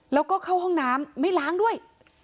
แล้วก็เข้าห้องน้ำไม่ล้างด้วย